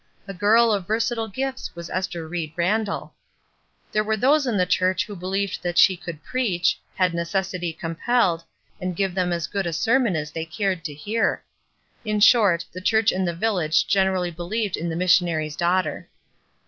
A girl of versatile gifts was Esther Ried Randall. There were those in the church who believed that she could preach, had neces sity compelled, and give them as good a sermon as they cared to hear. In short, the church and the village generally believed in the missionary's daughter.